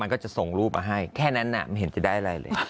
ก็จะส่งรูปมาให้แค่นั้นไม่เห็นจะได้อะไรเลย